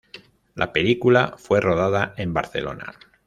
La película fue rodada en Barcelona.